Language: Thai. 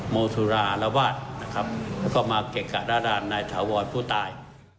โมตุราระวาดนะครับแล้วก็มาเก็กกับราดารณ์นายถาวรผู้ตาย